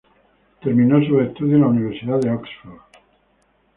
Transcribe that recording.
Terminó sus estudios en la Universidad de Oxford.